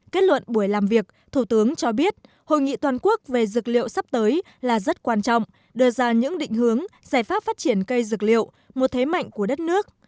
kết luận buổi làm việc thủ tướng cho biết hội nghị toàn quốc về dược liệu sắp tới là rất quan trọng đưa ra những định hướng giải pháp phát triển cây dược liệu một thế mạnh của đất nước